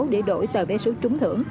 để đổi tờ vé số trúng thưởng